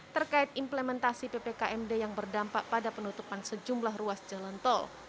terkait implementasi ppkmd yang berdampak pada penutupan sejumlah ruas jalan tol